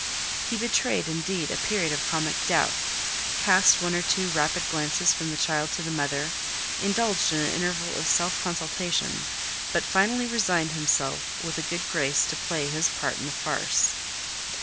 He betrayed, indeed, a period of comic doubt, cast one or two rapid glances from the child to the mother, indulged in an interval of self consultation, but finally resigned himself with a good grace to play his part in the farce.